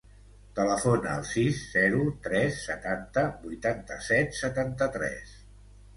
Telefona al sis, zero, tres, setanta, vuitanta-set, setanta-tres.